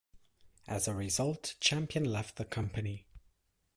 As a result, Champion left the company.